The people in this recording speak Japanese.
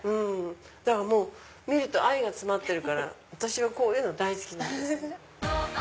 だから見ると愛が詰まってるから私はこういうの大好きなんです。